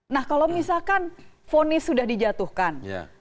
nah kalau misalkan fonis sudah dijatuhkan